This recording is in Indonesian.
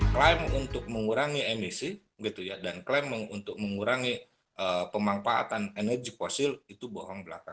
klaim untuk mengurangi emisi dan klaim untuk mengurangi pemanfaatan energi fosil itu bohong belaka